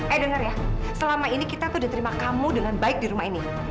eh denger ya selama ini kita udah terima kamu dengan baik di rumah ini